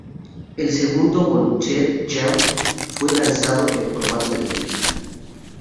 El segundo Volunteer Jam fue lanzado en formato de película.